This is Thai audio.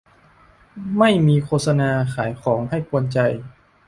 ไม่มีโฆษณาขายของให้กวนใจ